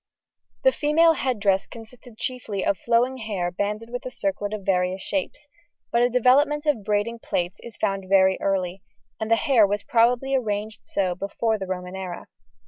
The female head dress consisted chiefly of flowing hair banded with a circlet of various shapes, but a development of braiding plaits is found very early, and the hair was probably arranged so before the Roman era.